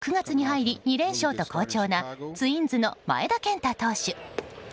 そして、こちらも９月に入り２連勝と好調なツインズの前田健太投手。